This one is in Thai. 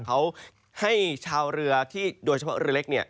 เขาให้ชาวเรือที่โดยเฉพาะเรือเล็กเนี่ย